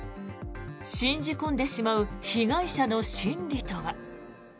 信じ込んでしまう被害者の心理とは。